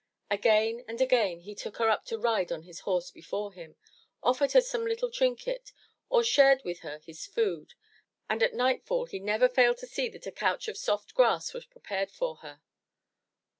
Again and again he took her up to ride on his horse before him, offered her some little trinket, or shared with her his food, and at nightfall he never failed to see that a couch of soft grass was prepared for her.